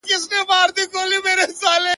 نو شاعري څه كوي.